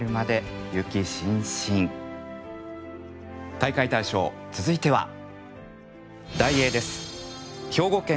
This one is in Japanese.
大会大賞続いては題詠です。